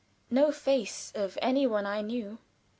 No face of any one I knew.